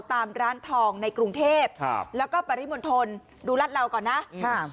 ตามร้านทองในกรุงเทพฯแล้วก็ปริมณฑลดูลาดเหล่าก่อนนะ